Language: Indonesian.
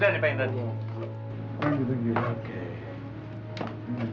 seneng bener banyak bener